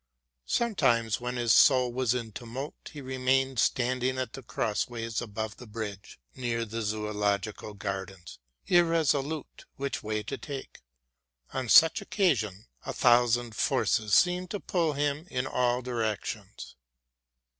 Sometimes, when his soul was in a tumult, he remained standing by the cross ways above the bridge near the Zoological Gardens, irresolute which way to take. On such occasion a thousand forces seemed to pull him in all directions.